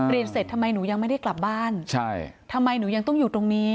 เสร็จทำไมหนูยังไม่ได้กลับบ้านใช่ทำไมหนูยังต้องอยู่ตรงนี้